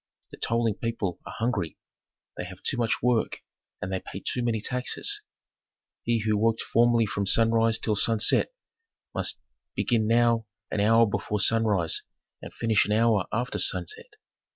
The toiling people are hungry; they have too much work, and they pay too many taxes. He who worked formerly from sunrise till sunset must begin now an hour before sunrise and finish an hour after sunset.